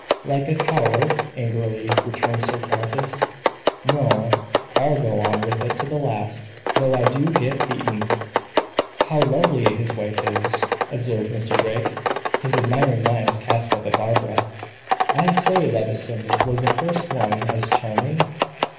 "Like a coward?" angrily returned Sir Francis. "No, I'll go on with it to the last, though I do get beaten." "How lovely his wife is," observed Mr. Drake, his admiring eyes cast up at Barbara. "I say, Levison, was the first one as charming?"